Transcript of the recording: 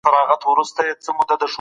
کمپيوټر په کار کي سرعت زياتوي.